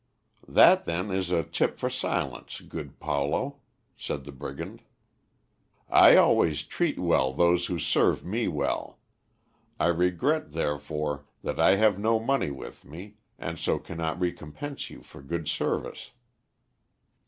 "That, then, is a tip for silence, good Paulo," said the brigand. "I always treat well those who serve me well; I regret, therefore, that I have no money with me, and so cannot recompense you for good service."